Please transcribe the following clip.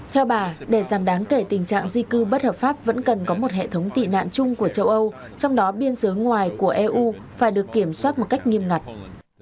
theo bà để giảm đáng kể tình trạng di cư bất hợp pháp vẫn cần có một hệ thống tị nạn chung của châu âu trong đó biên giới ngoài của eu phải được kiểm soát một cách nghiêm ngặt